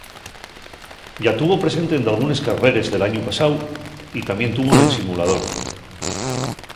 Yá tuvo presente en dalgunes carreres del añu pasáu y tamién tuvo nel simulador.